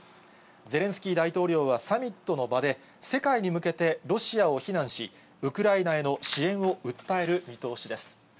ゼレンスキー大統領はサミットの場で、世界に向けてロシアを非難し、ウクライナへの支援を訴える見通しです。